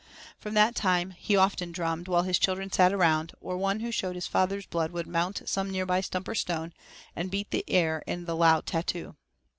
From that time he often drummed, while his children sat around, or one who showed his father's blood would mount some nearby stump or stone, and beat the air in the loud tattoo.